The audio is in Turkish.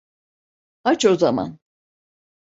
Aç o zaman.